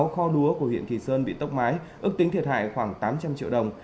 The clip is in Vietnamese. sáu kho lúa của huyện kỳ sơn bị tốc mái ước tính thiệt hại khoảng tám trăm linh triệu đồng